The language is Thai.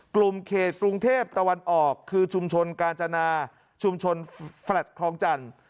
กลุ่มเขตกรุงเทพตะวันออกคือชุมชนกาญจนาชุมชนแฟลต์คลองจันทร์